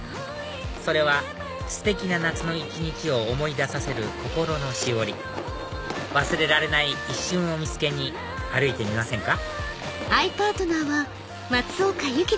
それはステキな夏の一日を思い出させる心のしおり忘れられない一瞬を見つけに歩いてみませんか？